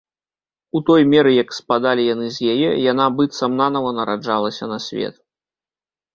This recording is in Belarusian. У той меры, як спадалі яны з яе, яна быццам нанава нараджалася на свет.